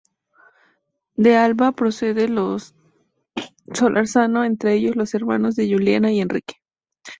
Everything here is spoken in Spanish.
De Alba procede los Solórzano, entre ellos, los hermanos Juliana y Enrique.